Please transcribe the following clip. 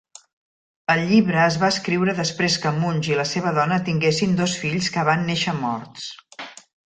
El llibre es va escriure després que Munsch i la seva dona tinguessin dos fills que van néixer morts.